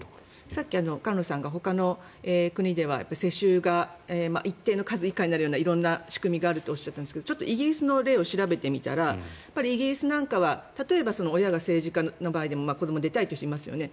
さっき菅野さんがほかの国では世襲が一定の数以下になるような色んな仕組みがあるとおっしゃったんですけどイギリスの例を調べてみたらイギリスなんかは例えば親が政治家の場合でも子ども、出たいという人いますよね。